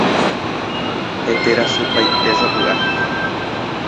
Heterasypaitésapy'a.